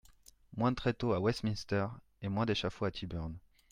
Moins de tréteaux à Westminster et moins d’échafauds à Tyburn !